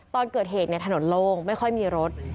ตอนเกิดเหตุถนนโล่งไม่ค่อยมีรถ